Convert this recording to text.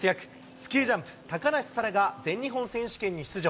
スキージャンプ、高梨沙羅が全日本選手権に出場。